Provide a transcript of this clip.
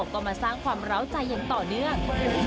ก็มาสร้างความร้าวใจอย่างต่อเนื่อง